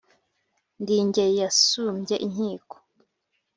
Ndi ingeri yasumbye inkiko